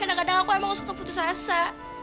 kadang kadang aku emang suka putus asa